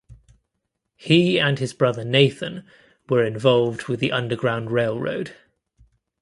He and his brother Nathan were involved with the Underground Railroad.